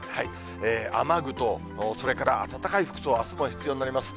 雨具と、それから暖かい服装、あすも必要になります。